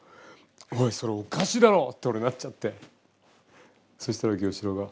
「おいそれおかしいだろ！」って俺なっちゃってそしたらキヨシローが「竹中